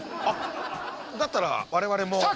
あっだったら我々も。